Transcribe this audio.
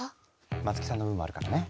松木さんの分もあるからね。